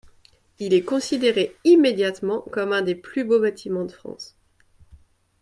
Il est considéré immédiatement comme un des plus beaux bâtiments de France.